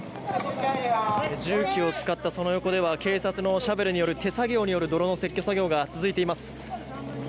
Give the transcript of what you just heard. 重機を使ったその横では警察のシャベルによる手作業による泥の撤去作業が続いています。